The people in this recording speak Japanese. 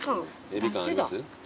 エビ感あります？